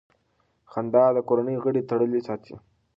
خندا د کورنۍ غړي تړلي ساتي.